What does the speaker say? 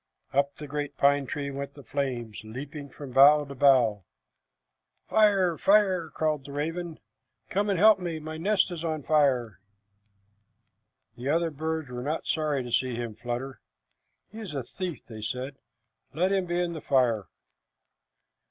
Up the great pine tree went the flames, leaping from bough to bough. "Fire! fire!" cried the raven. "Come and help me! My nest is on fire!" The other birds were not sorry to see him flutter. "He is a thief," said they. "Let him be in the fire."